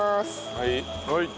はい。